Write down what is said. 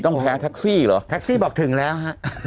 ต้องแพ้แท็กซี่เหรอแท็กซี่บอกถึงแล้วฮะ